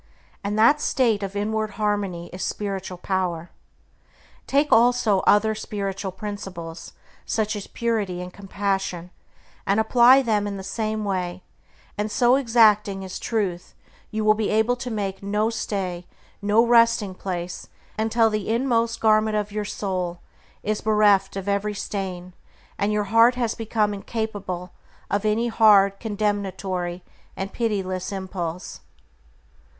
And that state of inward harmony is spiritual power. Take also other spiritual principles, such as Purity and Compassion, and apply them in the same way, and, so exacting is Truth, you will be able to make no stay, no resting place until the inmost garment of your soul is bereft of every stain, and your heart has become incapable of any hard, condemnatory, and pitiless impulse.